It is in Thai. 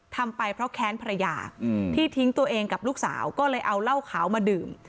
ทำไปเพราะแค้นภรรยาที่ทิ้งตัวเองกับลูกสาวก็เลยเอาเหล้าขาวมาดื่ม